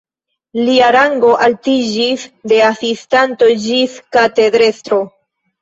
Lia rango altiĝis de asistanto ĝis katedrestro.